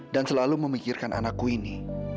dan selalu memikirkan anakku ini